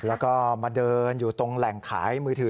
แล้วก็มาเดินอยู่ตรงแหล่งขายมือถือ